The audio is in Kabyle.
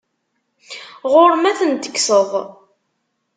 Ɣur-m ad ten-tekseḍ.